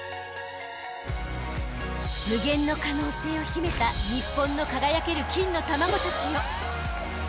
［無限の可能性を秘めた日本の輝ける金の卵たちよ］